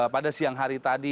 pada siang hari tadi